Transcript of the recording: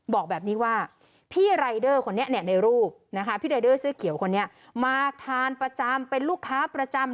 บอกแบบนี้ว่าปีรรไดเดอร์เขาแบบนี้ในรูปปีรไดเดอร์เสื้อเขียวคนนี้มาทานประจำเป็นลูกค้าประจำ